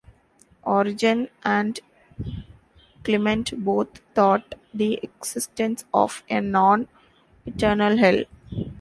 Origen and Clement both taught the existence of a non-eternal Hell.